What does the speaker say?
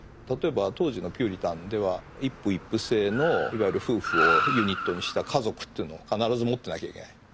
例えば当時のピューリタンでは一夫一婦制のいわゆる夫婦をユニットにした家族というのを必ず持ってなきゃいけない。